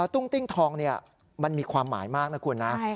ตุ้งติ้งทองมันมีความหมายมากนะคุณนะ